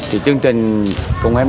thì chương trình công an